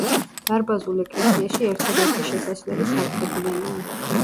დარბაზულ ეკლესიაში ერთადერთი შესასვლელი სამხრეთიდანაა.